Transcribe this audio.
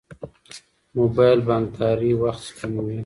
موبایل بانکداري وخت سپموي.